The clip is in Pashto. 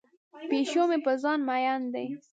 پیشو مې په ځان مین دی.